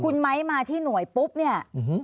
คุณไม้มาที่หน่วยปุ๊บเนี่ย